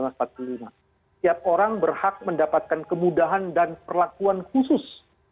setiap orang berhak mendapatkan kemudahan dan perlakuan khusus